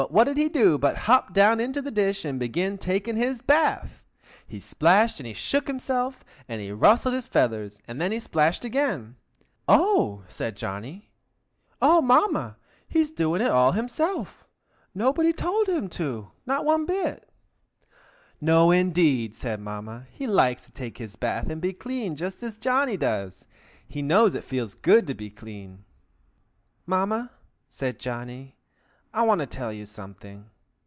what did he do but hop down into the dish, and begin taking his bath! He splashed, and he shook himself, and rustled his feathers, and then he splashed again. "Oh!" said Johnny. "Oh! Mamma, he is doing it all himself. Nobody told him to, not one bit." "No, indeed!" said Mamma. "He likes to take his bath and be clean, just as Johnny does. He knows it feels good to be clean." "Mamma!" said Johnny. "I want to tell you something.